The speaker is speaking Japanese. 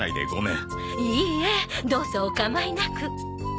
いいえどうぞおかまいなく。